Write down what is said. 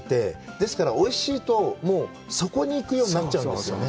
ですから、おいしいともうそこに行くようになっちゃうんですよね。